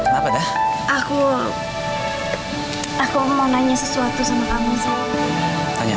sampai jumpa di video selanjutnya